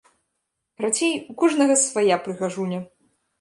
Карацей, у кожнага свая прыгажуня!